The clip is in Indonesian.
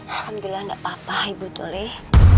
alhamdulillah gak apa apa ibu toleh